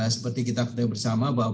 seperti kita ketahui bersama bahwa